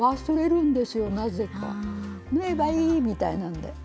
縫えばいいみたいなんで。